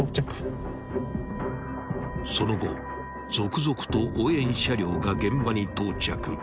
［その後続々と応援車両が現場に到着］